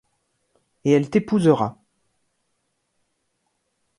Et elle t’épousera!